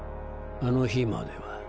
あの日までは。